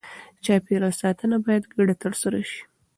چاپېریال ساتنه باید ګډه ترسره شي.